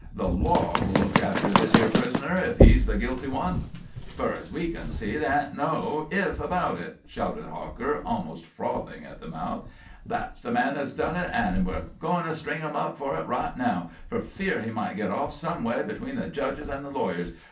"The law will look after this here prisoner, if he's the guilty one." "Fur as we kin see, there ain't no 'if' about it," shouted Hawker, almost frothing at the mouth. "That's the man as done it, an' we're agoin' to string 'im up fer it right now, for fear he might git off some way atween the jedges an' the lawyers.